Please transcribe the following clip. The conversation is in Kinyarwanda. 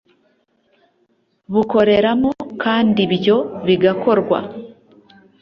bukoreramo kandi ibyo bigakorwa